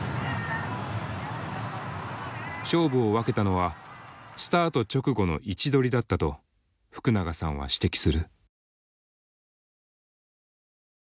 勝負を分けたのはスタート直後の位置取りだったと福永さんは指摘する。